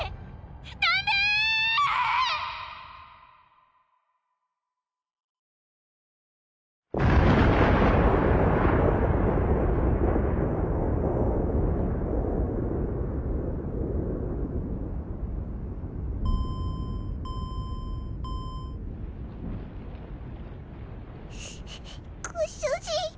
ダメ‼ご主人。